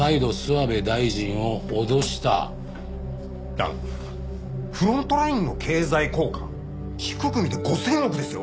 いやフロントラインの経済効果低く見て５０００億ですよ。